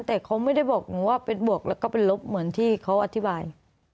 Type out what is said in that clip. แต่เขาไม่ได้บอกหนูว่าเป็นบวกแล้วก็เป็นลบเหมือนที่เขาอธิบาย